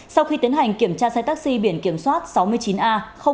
sau khi tiến hành kiểm tra xe taxi biển kiểm soát sáu mươi chín a ba nghìn hai mươi sáu